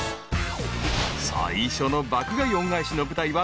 ［最初の爆買い恩返しの舞台は］